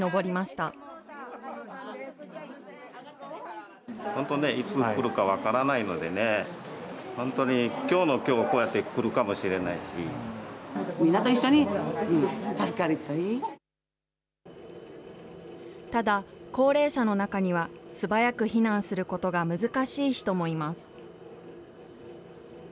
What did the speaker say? ただ、高齢者の中には、素早く避難することが難しい人もいます。